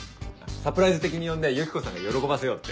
サプライズ的に呼んでユキコさんが喜ばせようって。